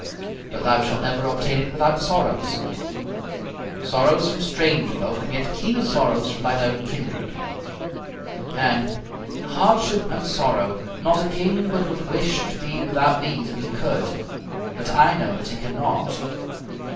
But thou shalt never obtain it without sorrows sorrows from strange folk, and yet keener sorrows from thine own kindred." and "Hardship and sorrow! Not a king but would wish to be without these if he could. But I know that he cannot."